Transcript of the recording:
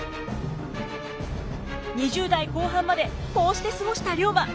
２０代後半までこうして過ごした龍馬。